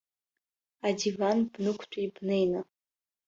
Адиван бнықәтәеи бнеины.